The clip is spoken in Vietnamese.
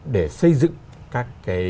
để xây dựng các cái